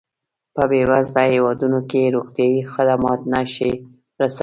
په بېوزله هېوادونو کې روغتیایي خدمات نه شي رسولای.